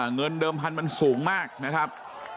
เงินเดิมพันธุ์มันสูงมากนะครับ